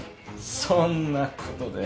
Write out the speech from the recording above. そんなことで？